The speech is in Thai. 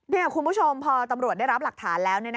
นี่คุณผู้ชมพอตำรวจได้รับหลักฐานแล้ว